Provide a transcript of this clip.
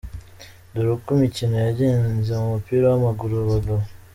Dore uko imikino yagenze mu mupira w’amaguru abagabo :.